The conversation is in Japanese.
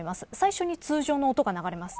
最初に通常の音が流れます。